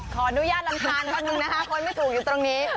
ขออนุญาตรำคาญขอบคุณนะคนไม่ถูกอยู่ตรงนี้